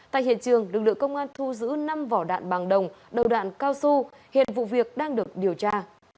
tại hiện trường lực lượng công an thu giữ năm vỏ đạn bằng đồng đầu đạn cao su hiện vụ việc đang được điều tra